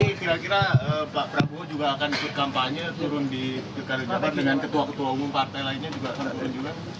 kira kira pak prabowo juga akan ikut kampanye turun di jawa barat dengan ketua ketua umum partai lainnya juga